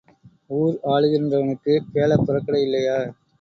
ஊர் ஆளுகிறவனுக்குப் பேளப் புறக்கடை இல்லையா?